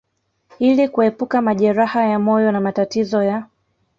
ili kuepuka majeraha ya moyo na matatizo ya